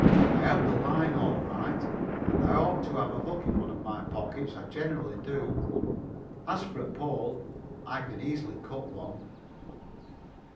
"I have the line, all right, and I ought to have a hook in one of my pockets. I generally do. As for a pole I can easily cut one."